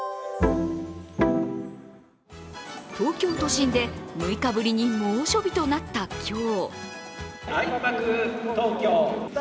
東京都心で６日ぶりに猛暑日となった今日。